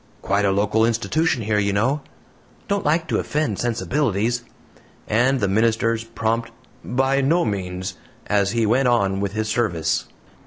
"Quite a local institution here, you know." "Don't like to offend sensibilities;" and the minister's prompt "By no means," as he went on with his service.